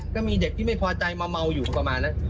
ก็มีเด็กที่ไม่พอใจมาเมาอยู่ประมาณนั้น